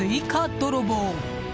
泥棒。